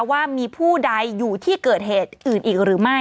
ว่ามีผู้ใดอยู่ที่เกิดเหตุอื่นอีกหรือไม่